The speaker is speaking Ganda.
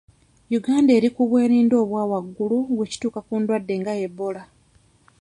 Uganda eri ku bwerinde obwawaggulu bwe kituuka ku ndwadde nga Ebola.